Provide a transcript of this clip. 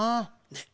ねっ。